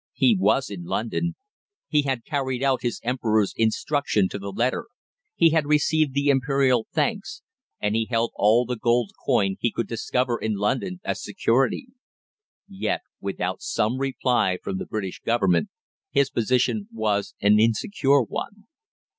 He was in London. He had carried out his Emperor's instructions to the letter, he had received the Imperial thanks, and he held all the gold coin he could discover in London as security. Yet, without some reply from the British Government, his position was an insecure one.